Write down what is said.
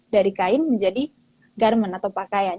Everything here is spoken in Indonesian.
dari kain menjadi garmen atau pakaian